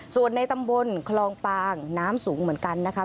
ส่วนในตำบลคลองปางน้ำสูงเหมือนกันนะคะ